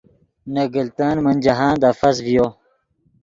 نے گلتن من جاہند افس ڤیو